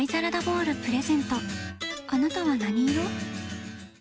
あなたは何色？